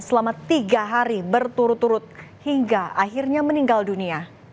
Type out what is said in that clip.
selama tiga hari berturut turut hingga akhirnya meninggal dunia